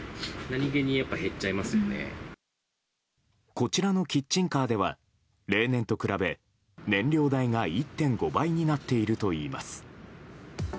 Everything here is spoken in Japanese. こちらのキッチンカーでは例年と比べ燃料代が１．５倍になっているといいます。